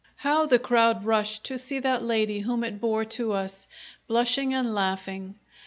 How the crowd rushed to see that lady whom it bore to us, blushing and laughing!